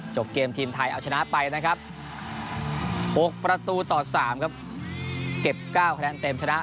จบเกมทีมไทยเอาชนะไปนะครับ๖ประตูต่อ๓ครับเก็บ๙คะแนนเต็มชนะ